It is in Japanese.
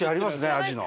アジの。